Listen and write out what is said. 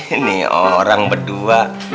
ini orang berdua